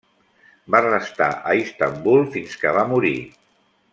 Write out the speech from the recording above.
Va restar a Istanbul fins que va morir.